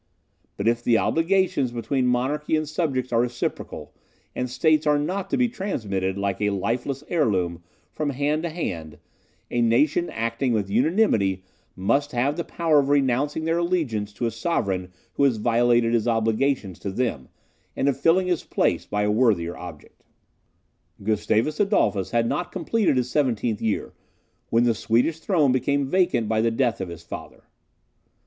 But if the obligations between monarchy and subjects are reciprocal, and states are not to be transmitted, like a lifeless heirloom, from hand to hand, a nation acting with unanimity must have the power of renouncing their allegiance to a sovereign who has violated his obligations to them, and of filling his place by a worthier object. Gustavus Adolphus had not completed his seventeenth year, when the Swedish throne became vacant by the death of his father.